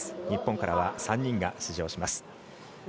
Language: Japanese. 日本からは３人が出場します。